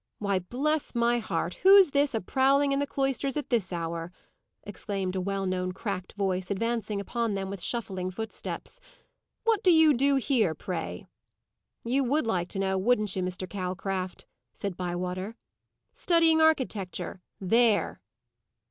"Why, bless my heart, who's this, a prowling in the cloisters at this hour?" exclaimed a well known cracked voice, advancing upon them with shuffling footsteps. "What do you do here, pray?" "You would like to know, wouldn't you, Mr. Calcraft?" said Bywater. "Studying architecture. There!"